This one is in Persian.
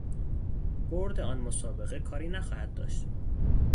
بردن آن مسابقه کاری نخواهد داشت.